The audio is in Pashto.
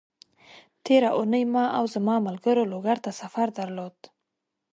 تېره اونۍ ما او زما ملګرو لوګر ته سفر درلود،